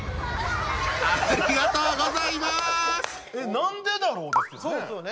「なんでだろう」ですよね。